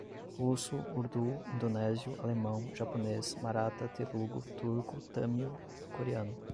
Russo, urdu, indonésio, alemão, japonês, marata, telugo, turco, tâmil, coreano